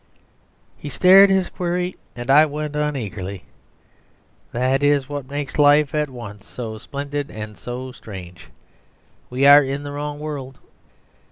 He stared his query, and I went on eagerly: "That is what makes life at once so splendid and so strange. We are in the wrong world.